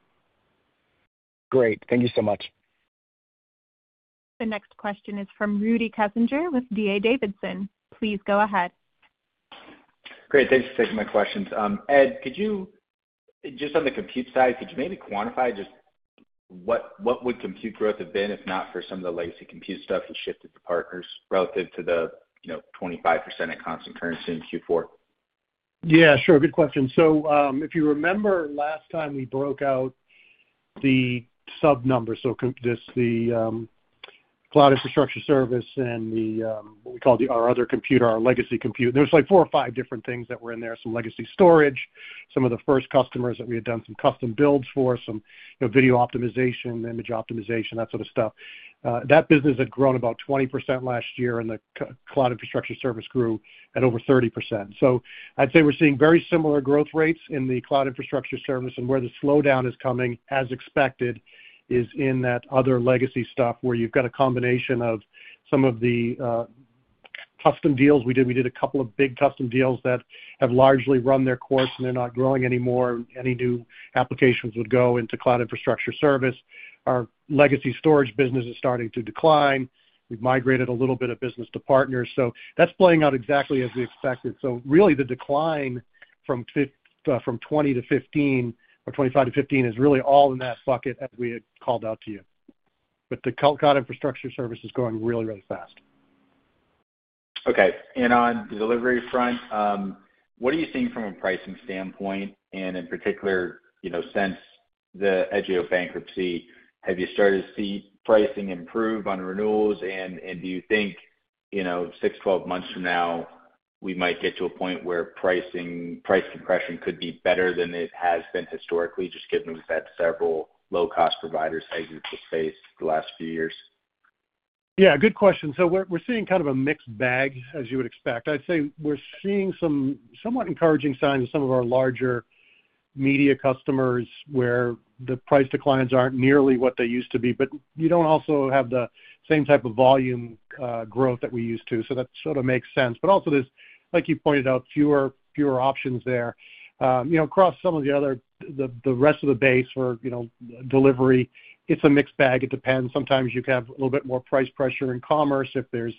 Great. Thank you so much. The next question is from Rudy Kessinger with D.A. Davidson. Please go ahead. Great. Thanks for taking my questions. Ed, just on the compute side, could you maybe quantify just what would compute growth have been if not for some of the legacy compute stuff you shifted to partners relative to the 25% at constant currency in Q4? Yeah. Sure. Good question. So if you remember last time we broke out the sub-numbers, so the cloud infrastructure service and what we call our other compute, our legacy compute, there was like four or five different things that were in there, some legacy storage, some of the first customers that we had done some custom builds for, some video optimization, image optimization, that sort of stuff. That business had grown about 20% last year, and the cloud infrastructure service grew at over 30%. So I'd say we're seeing very similar growth rates in the cloud infrastructure service, and where the slowdown is coming, as expected, is in that other legacy stuff where you've got a combination of some of the custom deals we did. We did a couple of big custom deals that have largely run their course, and they're not growing anymore. Any new applications would go into cloud infrastructure service. Our legacy storage business is starting to decline. We've migrated a little bit of business to partners. So that's playing out exactly as we expected. So really, the decline from 20 to 15 or 25 to 15 is really all in that bucket as we had called out to you. But the cloud infrastructure service is growing really, really fast. Okay. And on the delivery front, what are you seeing from a pricing standpoint? In particular, since the Edgio bankruptcy, have you started to see pricing improve on renewals? And do you think six, 12 months from now, we might get to a point where price compression could be better than it has been historically, just given we've had several low-cost providers exit the space the last few years? Yeah. Good question. So we're seeing kind of a mixed bag, as you would expect. I'd say we're seeing some somewhat encouraging signs of some of our larger media customers where the price declines aren't nearly what they used to be, but you don't also have the same type of volume growth that we used to. So that sort of makes sense. But also, like you pointed out, fewer options there. Across some of the other, the rest of the base for delivery, it's a mixed bag. It depends. Sometimes you can have a little bit more price pressure in commerce if there's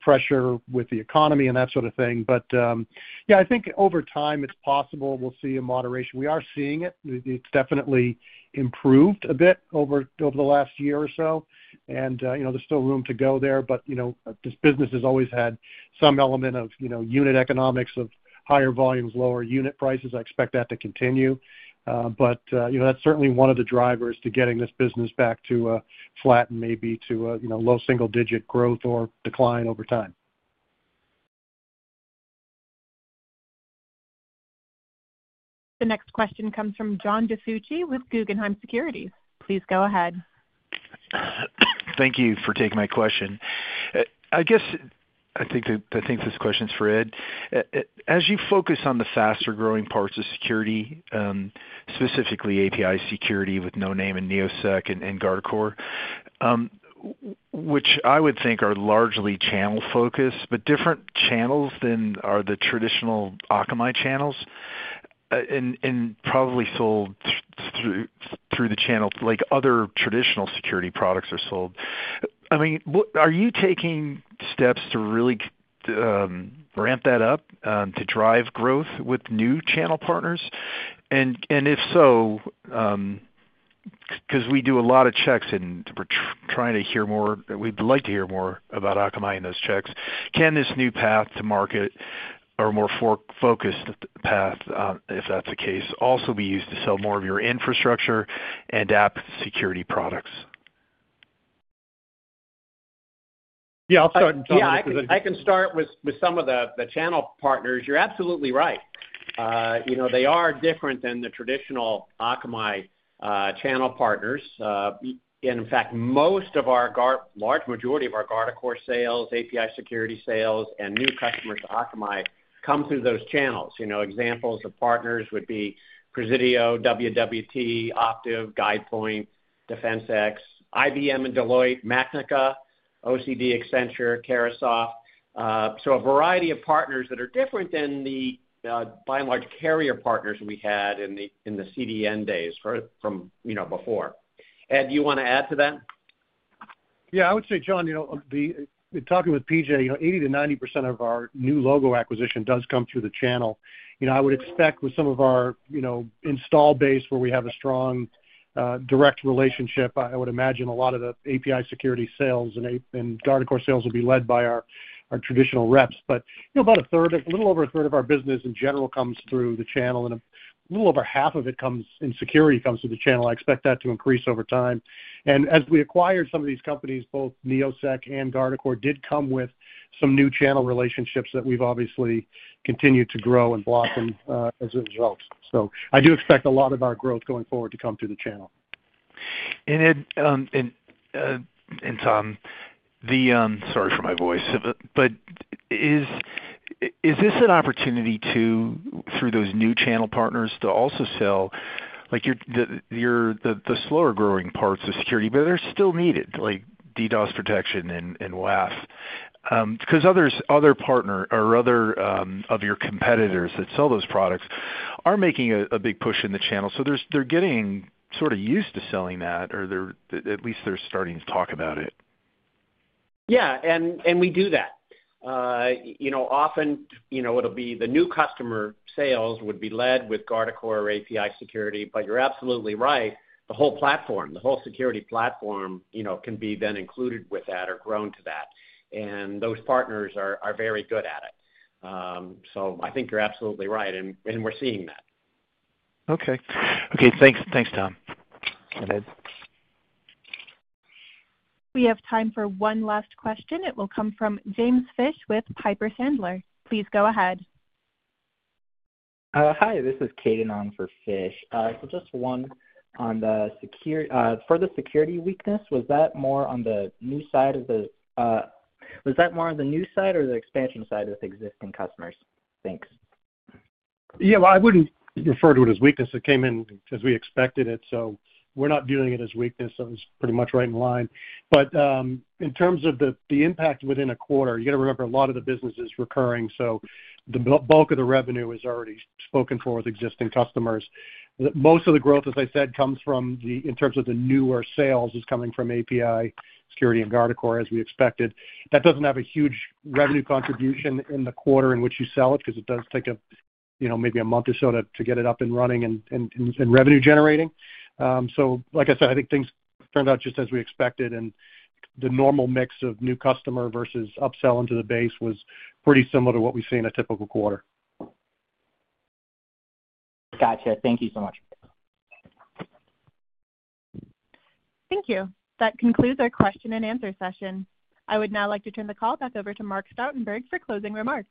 pressure with the economy and that sort of thing. But yeah, I think over time, it's possible we'll see a moderation. We are seeing it. It's definitely improved a bit over the last year or so, and there's still room to go there. But this business has always had some element of unit economics of higher volumes, lower unit prices. I expect that to continue. But that's certainly one of the drivers to getting this business back to flat and maybe to low single-digit growth or decline over time. The next question comes from John DiFucci with Guggenheim Securities. Please go ahead. Thank you for taking my question. I guess I think this question's for Ed. As you focus on the faster-growing parts of security, specifically API security with Noname and Neosec and Guardicore, which I would think are largely channel-focused, but different channels than are the traditional Akamai channels and probably sold through the channel like other traditional security products are sold. I mean, are you taking steps to really ramp that up to drive growth with new channel partners? And if so, because we do a lot of checks and we're trying to hear more we'd like to hear more about Akamai in those checks. Can this new path to market or more focused path, if that's the case, also be used to sell more of your infrastructure and app security products? Yeah. I can start with some of the channel partners. You're absolutely right. They are different than the traditional Akamai channel partner. In fact, most of our large majority of our Guardicore sales, API security sales, and new customers to Akamai come through those channels. Examples of partners would be Presidio, WWT, Optiv, GuidePoint, DefensX, IBM and Deloitte, Macnica, OCD, Accenture, Carahsoft. So a variety of partners that are different than the, by and large, carrier partners we had in the CDN days from before. Ed, do you want to add to that? Yeah. I would say, John, talking with PJ, 80%-90% of our new logo acquisition does come through the channel. I would expect with some of our install base where we have a strong direct relationship, I would imagine a lot of the API security sales and Guardicore sales will be led by our traditional reps. But about a third, a little over a third of our business in general comes through the channel, and a little over half of it comes in security comes through the channel. I expect that to increase over time. And as we acquired some of these companies, both Neosec and Guardicore did come with some new channel relationships that we've obviously continued to grow and broaden as a result. So I do expect a lot of our growth going forward to come through the channel. And Tom, I'm sorry for my voice, but is this an opportunity through those new channel partners to also sell the slower-growing parts of security, but they're still needed, like DDoS protection and WAF? Because other partners or other of your competitors that sell those products are making a big push in the channel. So they're getting sort of used to selling that, or at least they're starting to talk about it. Yeah. And we do that. Often, it'll be the new customer sales would be led with Guardicore or API security. But you're absolutely right. The whole platform, the whole security platform can be then included with that or grown to that. And those partners are very good at it. So I think you're absolutely right, and we're seeing that. Okay. Okay. Thanks, Tom. We have time for one last question. It will come from James Fish with Piper Sandler. Please go ahead. Hi. This is Caden for Fish. So just one on the security weakness, was that more on the new side or the expansion side of existing customers? Thanks. Yeah. Well, I wouldn't refer to it as weakness. It came in as we expected it. So we're not viewing it as weakness. It was pretty much right in line. But in terms of the impact within a quarter, you got to remember a lot of the business is recurring. So the bulk of the revenue is already spoken for with existing customers. Most of the growth, as I said, comes from the in terms of the newer sales is coming from API security and Guardicore, as we expected. That doesn't have a huge revenue contribution in the quarter in which you sell it because it does take maybe a month or so to get it up and running and revenue-generating. So like I said, I think things turned out just as we expected, and the normal mix of new customer versus upsell into the base was pretty similar to what we see in a typical quarter. Gotcha. Thank you so much. Thank you. That concludes our question and answer session. I would now like to turn the call back over to Mark Stoutenberg for closing remarks.